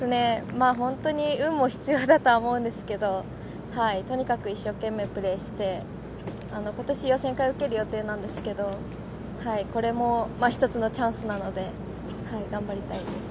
まあ本当に運も必要だとは思うんですけど、とにかく一生懸命プレーして、ことし予選会を受ける予定なんですけど、これも一つのチャンスなので、頑張りたいです。